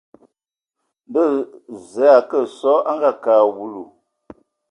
Ndo Zəə a akə sɔ a a ngakǝ a awulu.